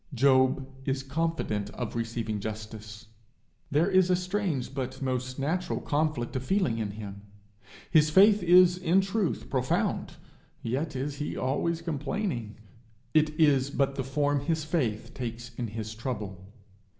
Job is confident of receiving justice. There is a strange but most natural conflict of feeling in him. His faith is in truth profound, yet is he always complaining. It is but the form his faith takes in his trouble.